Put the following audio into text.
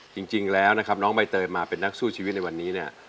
จริงแล้วนะครับน้องใบเตยมาเป็นนักสู้ชีวิตในวันนี้เนี่ย